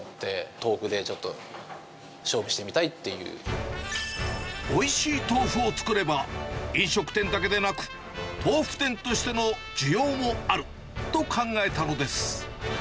豆腐でちょっと勝負してみたいっおいしい豆腐を作れば、飲食店だけでなく、豆腐店としての需要もあると考えたのです。